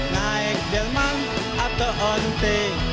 naik delman atau onte